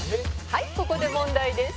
「はいここで問題です」